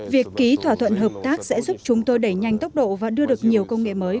việc ký thỏa thuận hợp tác sẽ giúp chúng tôi đẩy nhanh tốc độ và đưa được nhiều công nghệ mới